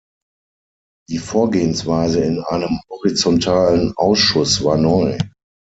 Die Vorgehensweise in einem horizontalen Ausschuss war neu.